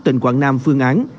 tỉnh quảng nam phương án